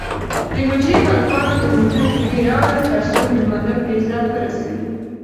د حجرې هلکانو د موټر کیلي راوړه ترڅو مېلمانه په عزت ورسوي.